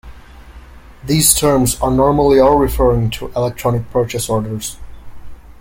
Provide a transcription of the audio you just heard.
These terms are normally all referring to Electronic Purchase Orders.